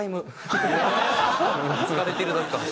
疲れてるだけかも。